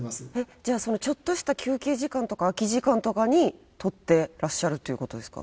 じゃあそのちょっとした休憩時間とか空き時間とかに撮ってらっしゃるという事ですか？